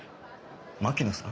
牧野さん？